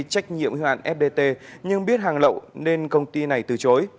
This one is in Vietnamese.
trách nhiệm hưu hạn fdt nhưng biết hàng lậu nên công ty này từ chối